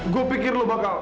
gua pikir lu bakal